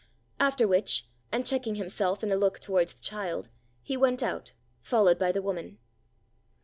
After which, and checking himself in a look towards the child, he went out, followed by the woman.